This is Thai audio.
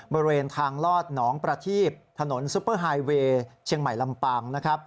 บริเวณทางลอดหนองประทีบถนนซุปเปอร์ไฮเวย์เชียงใหม่ลำปางนะครับ